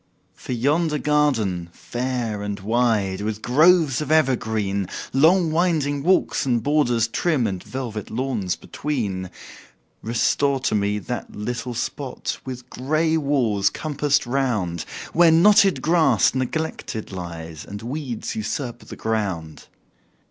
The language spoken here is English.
For yonder garden, fair and wide, With groves of evergreen, Long winding walks, and borders trim, And velvet lawns between; Restore to me that little spot, With gray walls compassed round, Where knotted grass neglected lies, And weeds usurp the ground.